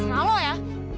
terserah lo ya